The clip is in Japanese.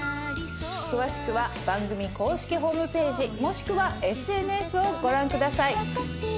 詳しくは番組公式ホームページもしくはＳＮＳをご覧ください。